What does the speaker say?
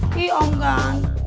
siapa om ganteng